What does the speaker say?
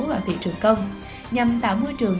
vào thị trường công nhằm tạo môi trường